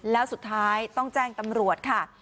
แล้วสุดท้ายต้องแจ้งตำรวจค่ะ